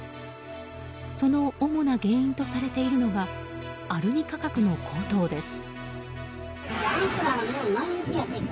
その主な原因とされているのがアルミ価格の高騰です。